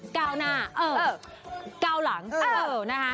เก้าหน้าเก้าหลังเออนะฮะ